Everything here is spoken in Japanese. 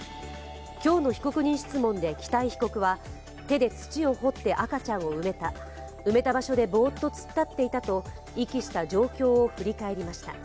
今日の被告人質問で北井被告は手で土を掘って赤ちゃんを埋めた、埋めた場所でボーッと突っ立っていたと遺棄した状況について語りました。